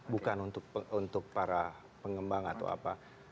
bukan untuk para pengembang atau apa